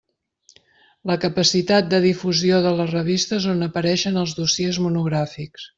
La capacitat de difusió de les revistes on apareixen els dossiers monogràfics.